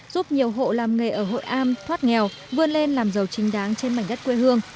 giúp nhiều hộ làm nghề ở hội am thoát nghèo vươn lên làm giàu chính đáng trên mảnh đất quê hương